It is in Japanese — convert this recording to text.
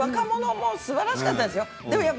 若者もすばらしかったですよ。